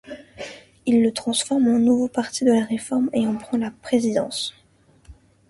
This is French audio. Il le transforme en Nouveau parti de la réforme et en prend la présidence.